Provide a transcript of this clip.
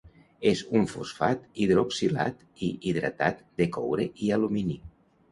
És un fosfat hidroxilat i hidratat de coure i alumini.